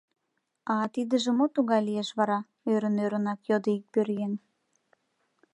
— А тидыже мо тугай лиеш вара? — ӧрын-ӧрынак йодо ик пӧръеҥ.